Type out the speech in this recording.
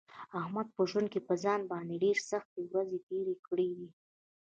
احمد په ژوند کې په ځان باندې ډېرې سختې ورځې تېرې کړې دي.